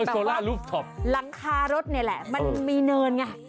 โซล่ารูฟท็อปแบบว่ารักษารถนี่แหละมันมีเนินไง